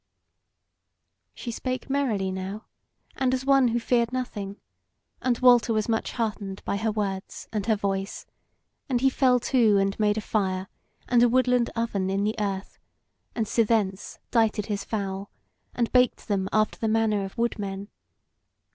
She spake merrily now, and as one who feared nothing, and Walter was much heartened by her words and her voice, and he fell to and made a fire, and a woodland oven in the earth, and sithence dighted his fowl, and baked them after the manner of wood men.